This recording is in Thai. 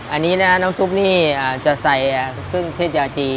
อันนี้นะน้ำซุปนี่จะใส่เครื่องเทศยาจี